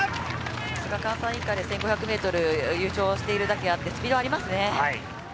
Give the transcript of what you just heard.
さすが関西インカレ１５００ｍ優勝しているだけあって、スピードがありますね。